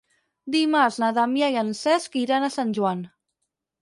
Dimarts na Damià i en Cesc iran a Sant Joan.